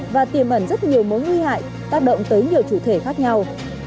và tiềm ẩn rất nhiều mối nguy hại tác động tới nhiều chủ thể khác nhau